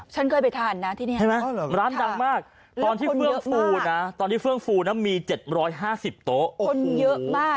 ฉันเคยไปทานนะที่นี่ร้านดังมากตอนที่เฟื่องฟูนะมี๗๕๐โต๊ะ